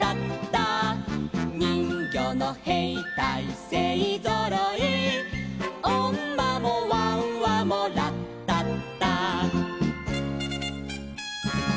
「にんぎょうのへいたいせいぞろい」「おんまもわんわもラッタッタ」